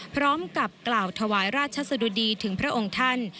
พร้อมกับกล่าวถวายราชสะดุดีถึงพระองค์ท่าน